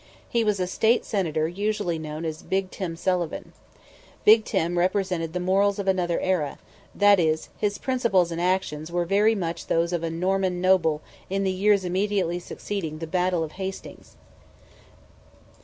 He was a State Senator usually known as Big Tim Sullivan. Big Tim represented the morals of another era; that is, his principles and actions were very much those of a Norman noble in the years immediately succeeding the Battle of Hastings.